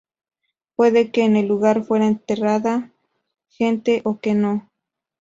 Puede que en el lugar fuera enterrada gente o que no.